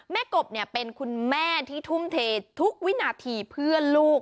กบเป็นคุณแม่ที่ทุ่มเททุกวินาทีเพื่อลูก